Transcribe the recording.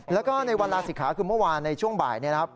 แล้วก็ในวันลาศิกขาคือเมื่อวานในช่วงบ่ายนะครับ